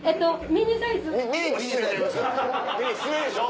ミニ失礼でしょ。